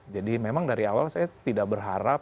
jadi memang dari awal saya tidak berharap